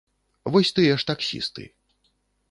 Вось тыя ж таксісты.